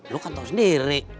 lu kan tau sendiri